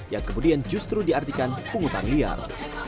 yang kemudian justru diartikan pungutan liar